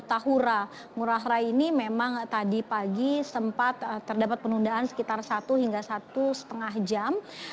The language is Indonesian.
tahura ngurah rai ini memang tadi pagi sempat terdapat penundaan sekitar satu hingga satu lima jam